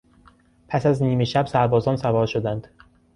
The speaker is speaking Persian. پس از نیمه شب سربازان سوار شدند.